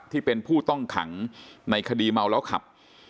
ที่เป็นผู้ต้องขังในคดีเมาแล้วขับ